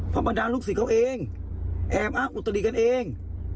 ความประดับลูกศิลป์เขาเองแอบรับมุตตรีกันเอง